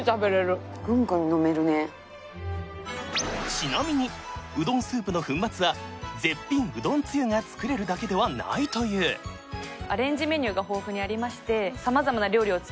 ちなみにうどんスープの粉末は絶品うどんつゆが作れるだけではないというそうなんです